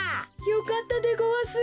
よかったでごわす。